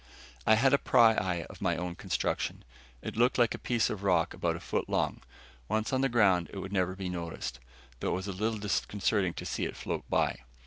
I had a pryeye of my own construction. It looked like a piece of rock about a foot long. Once on the ground, it would never be noticed, though it was a little disconcerting to see it float by.